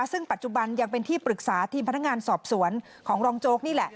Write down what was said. ซึ่งปัจจุบันยังเป็นที่ปรึกษาทีมพนักงานสอบสวนของรองโจ๊กนี่แหละ